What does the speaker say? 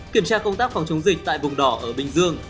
kiểm tra công tác phòng chống dịch tại vùng đỏ ở bình dương